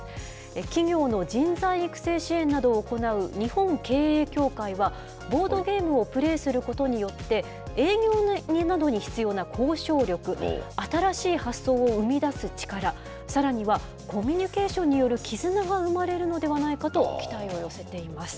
企業の人材育成支援などを行う日本経営協会は、ボードゲームをプレーすることによって、営業などに必要な交渉力、新しい発想を生み出す力、さらにはコミュニケーションによる絆が生まれるのではないかと、期待を寄せています。